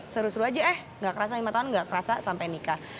seru seru aja eh gak kerasa lima tahun nggak kerasa sampai nikah